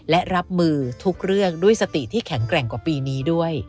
และรับมือทุกเรื่องด้วยสติที่แข็งแกร่งกว่าปีนี้ด้วย